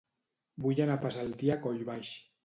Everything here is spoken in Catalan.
Vull anar a passar el dia a Collbaix.